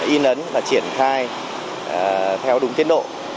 in ấn và triển khai theo đúng tiến độ